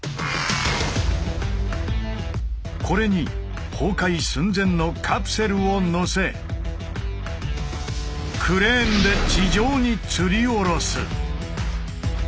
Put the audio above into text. これに崩壊寸前のカプセルをのせクレーンで地上に吊り下ろす。